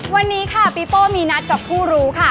วันนี้ค่ะปีโป้มีนัดกับผู้รู้ค่ะ